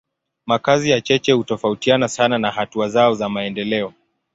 Makazi ya cheche hutofautiana sana na hatua zao za maendeleo.